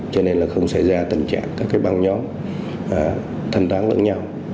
cho nên là không xảy ra tình trạng các cái băng nhóm thanh toán lẫn nhau